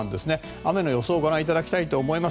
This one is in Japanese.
雨の予想をご覧いただきたいと思います。